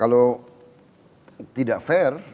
kalau tidak fair